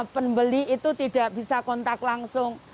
pembeli itu tidak bisa kontak langsung